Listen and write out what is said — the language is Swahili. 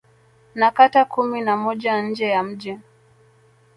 Na kata kumi na moja nje ya mji